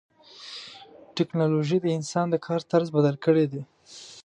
ټکنالوجي د انسان د کار طرز بدل کړی دی.